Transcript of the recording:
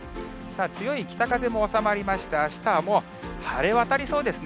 強い北風も収まりまして、あしたはもう晴れ渡りそうですね。